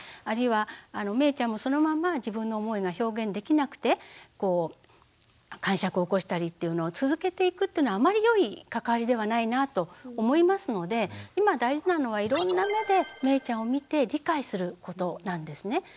あるいはめいちゃんもそのまま自分の思いが表現できなくてかんしゃくを起こしたりっていうのを続けていくっていうのはあんまり良い関わりではないなと思いますので今大事なのはいろんな目でめいちゃんを見て理解することなんですね。